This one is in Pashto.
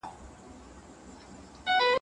مذهب د ټولنې په جوړښت کې رول لري.